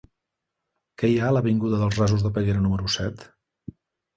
Què hi ha a l'avinguda dels Rasos de Peguera número set?